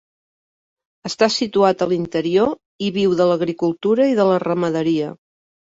Està situat a l'interior, i viu de l'agricultura i de la ramaderia.